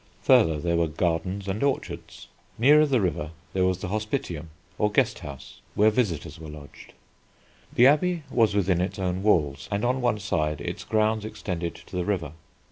Further, there were gardens and orchards. Nearer the river there was the Hospitium, or guest house, where visitors were lodged. The abbey was within its own walls, and on one side its grounds extended to the river.